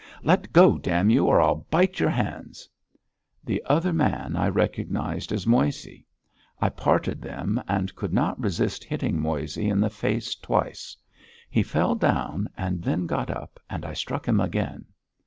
"Let go, damn you, or I'll bite your hands!" The other man I recognised as Moissey. I parted them and could not resist hitting Moissey in the face twice. He fell down, then got up, and I struck him again.